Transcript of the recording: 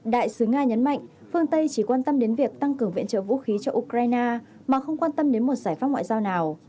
đại sứ nga nhấn mạnh phương tây chỉ quan tâm đến việc tăng cường viện trợ vũ khí cho ukraine mà không quan tâm đến một giải pháp ngoại giao nào